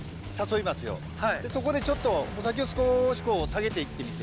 そこでちょっと穂先を少しこう下げていってみて。